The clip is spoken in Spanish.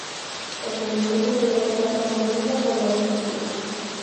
Porque mi poesía se había puesto algo moribunda, por varios motivos.